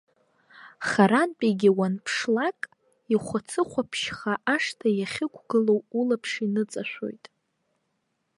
Харантәигьы уанԥшлак, ихәацы-хәаԥшьха ашҭа иахьықәгылоу улаԥш иныҵашәоит.